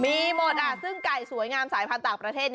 มีหมดซึ่งไก่สวยงามสายพันธุ์ต่างประเทศ